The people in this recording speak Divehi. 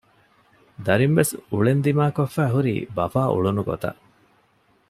ދަރިވެސް އުޅެން ދިމާކޮށްފައި ހުރީ ބަފާ އުޅުނު ގޮތަށް